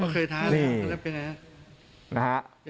เคยท้านะครับเป็นไงครับ